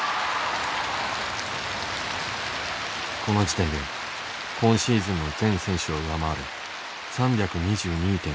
この時点で今シーズンの全選手を上回る３２２．３６。